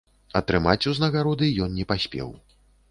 Атрымаць ўзнагароды ён не паспеў.